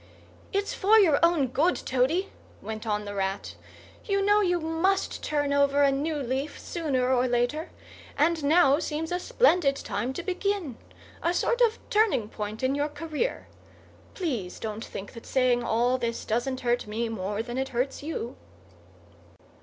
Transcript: "It's for your own good, Toady," went on the Rat. "You know you must turn over a new leaf sooner or later, and now seems a splendid time to begin; a sort of turning point in your career. Please don't think that saying all this doesn't hurt me more than it hurts you."